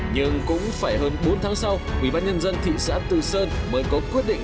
nhưng cũng phải hơn bốn tháng sau quỹ bán nhân dân thị xã từ sơn mới có quyết định